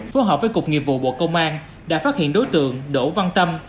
phối hợp với cục nghiệp vụ bộ công an đã phát hiện đối tượng đỗ văn tâm